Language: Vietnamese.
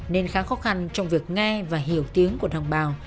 nên khá khó khăn trong việc nghe và hiểu tiếng của thông báo